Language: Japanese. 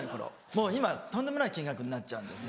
もう今とんでもない金額になっちゃうんですよ。